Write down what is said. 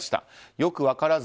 よく分からず